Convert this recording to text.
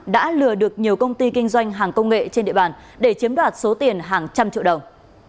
đã lừa được nhiều công ty kinh doanh hàng công nghệ trên địa bàn để chiếm đoạt số tiền hàng trăm triệu đồng